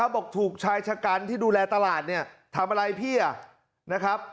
บอกถูกชายชะกันที่ดูแลตลาดเนี่ยทำอะไรพี่นะครับ